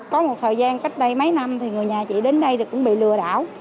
có một thời gian cách đây mấy năm thì người nhà chị đến đây thì cũng bị lừa đảo